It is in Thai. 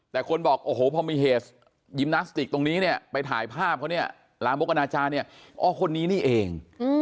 แต่คนบอกโอ้โหพอมีเหตุยิมนาสติกตรงนี้เนี่ยไปถ่ายภาพเขาเนี่ยลามกอนาจารย์เนี่ยอ๋อคนนี้นี่เอง